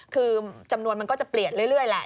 คือจำนวนมันก็จะเปลี่ยนเรื่อยแหละ